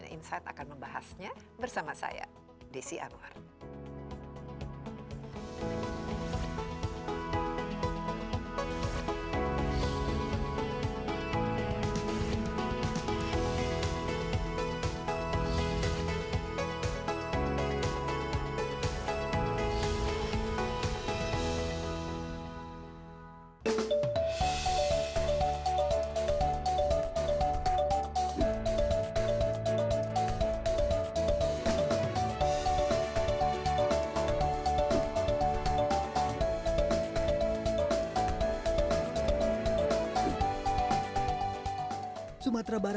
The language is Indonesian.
insight akan membahasnya bersama saya desi anwar